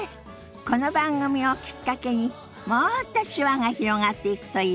この番組をきっかけにもっと手話が広がっていくといいわね。